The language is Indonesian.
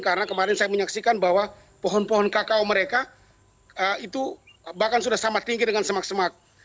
karena kemarin saya menyaksikan bahwa pohon pohon kakao mereka itu bahkan sudah sama tinggi dengan semak semak